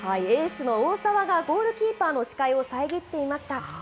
エースの大澤がゴールキーパーの視界を遮っていました。